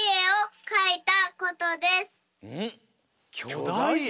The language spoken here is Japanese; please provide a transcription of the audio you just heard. きょだいえ？